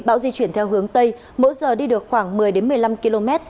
bão di chuyển theo hướng tây mỗi giờ đi được khoảng một mươi một mươi năm km